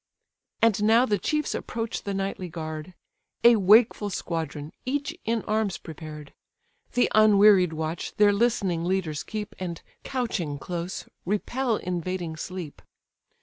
And now the chiefs approach the nightly guard; A wakeful squadron, each in arms prepared: The unwearied watch their listening leaders keep, And, couching close, repel invading sleep.